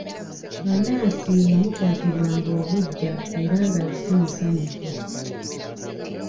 Anansi ye yamukwatirwanga obuggya era nga si musanyufu.